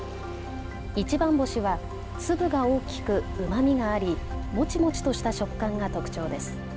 一番星は粒が大きく、うまみがあり、もちもちとした食感が特徴です。